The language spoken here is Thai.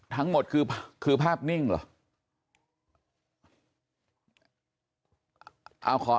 ทั้งหมดคือภาพนิ่งเหรอ